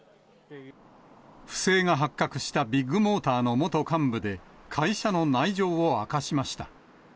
不正が発覚したビッグモーターの元幹部で、会社の内情を明かしました。